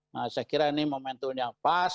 nah saya kira ini momentum yang pas